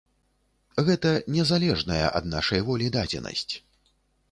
Гэта не залежная ад нашай волі дадзенасць.